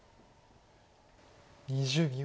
２０秒。